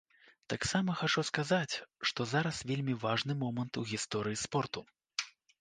Таксама хачу сказаць, што зараз вельмі важны момант у гісторыі спорту.